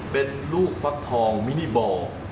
เป็นลูกฟักทองมินิบอร์